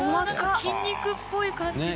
筋肉っぽい感じの。